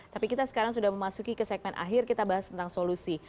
tapi kita sekarang sudah memasuki ke segmen akhir kita bahas tentang solusi